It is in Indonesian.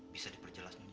bisa diperjelas nyonya